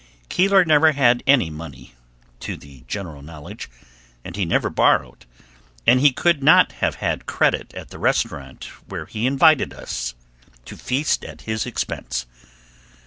Keeler never had any money, to the general knowledge, and he never borrowed, and he could not have had credit at the restaurant where he invited us to feast at his expense.